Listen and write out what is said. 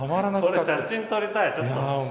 これ写真撮りたいちょっと。